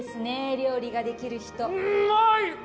料理ができる人うまい！